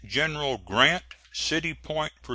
GENERAL GRANT, City Point, Va.